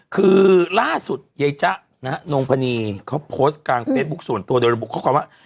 คือล่าสุดเจ้าน้องพนีเค้าโพสต์กลางเฟซบุ๊กส่วนตัวโดยระบบเค้าขอบว่า